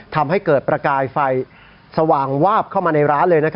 ทำให้เกิดประกายไฟสว่างวาบเข้ามาในร้านเลย